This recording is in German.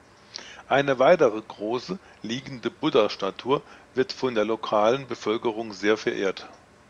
Eine weitere große, liegende Buddhastatue wird von der lokalen Bevölkerung sehr verehrt.